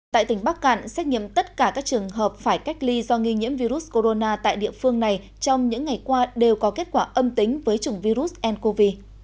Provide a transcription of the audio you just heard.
tại tỉnh bắc cạn xét nghiệm tất cả các trường hợp phải cách ly do nghi nhiễm virus corona tại địa phương này trong những ngày qua đều có kết quả âm tính với chủng virus ncov